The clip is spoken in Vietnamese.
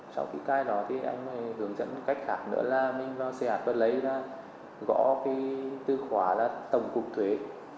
sau khi cài đỏ thì anh mới hướng dẫn cách khác nữa là mình vào xe hạt và lấy ra gõ cái tư khóa là tổng cục thuế